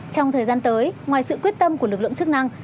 trong thời gian tới ngoài sự quyết tâm của lực lượng chức năng